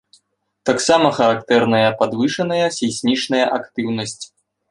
Таксама характэрная падвышаная сейсмічная актыўнасць.